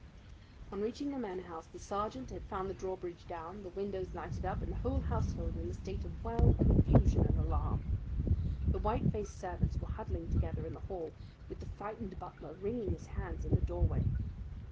On reaching the Manor House, the sergeant had found the drawbridge down, the windows lighted up, and the whole household in a state of wild confusion and alarm. The white faced servants were huddling together in the hall, with the frightened butler wringing his hands in the doorway.